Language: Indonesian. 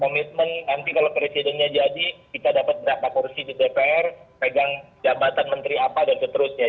komitmen nanti kalau presidennya jadi kita dapat berapa kursi di dpr pegang jabatan menteri apa dan seterusnya